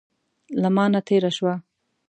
له مانه تېره شوه.